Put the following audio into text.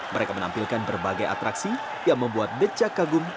mereka menampilkan berbagai atraksi yang membuat decak kagum